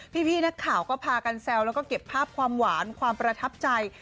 พี่นักข่าวก็พากันแซวแล้วก็เก็บภาพความหวานความประทับใจ